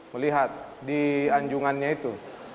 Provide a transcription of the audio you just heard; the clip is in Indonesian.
melihat di anjungannya itu